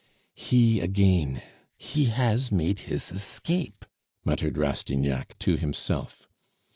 "He again he has made his escape!" muttered Rastignac to himself.